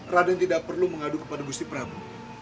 raden tidak perlu mengadu kepada gusti prabowo